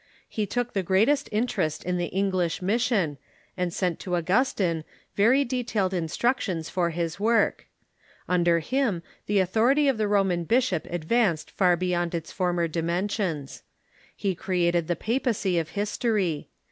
He took the greatest interest in the English mission, and sent to Augustine very detailed instructions for his work. Under THE EXPANSION OF CHRISTIANITY 95 him the authority of the Roman bishop advanced far beyond its former dimensions. lie created the papacy of history.